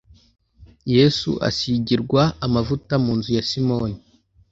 yesu asigirwa amavuta mu nzu ya simoni